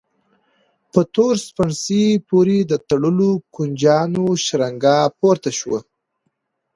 په تور سپڼسي پورې د تړلو کونجيانو شرنګا پورته شوه.